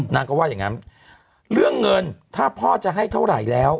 นางก็ว่าอย่างงั้นเรื่องเงินถ้าพ่อจะให้เท่าไหร่แล้ว